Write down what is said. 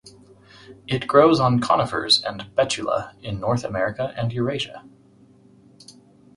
It grows on conifers and "Betula" in North America and Eurasia.